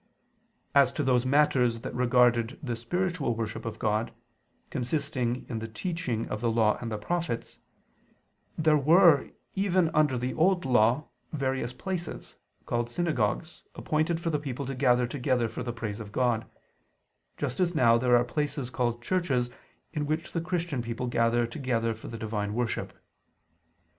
As to those matters that regarded the spiritual worship of God, consisting in the teaching of the Law and the Prophets, there were, even under the Old Law, various places, called synagogues, appointed for the people to gather together for the praise of God; just as now there are places called churches in which the Christian people gather together for the divine worship.